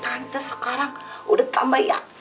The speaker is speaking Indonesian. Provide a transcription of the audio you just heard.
soalnya nih tante sekarang udah tambah yakin aja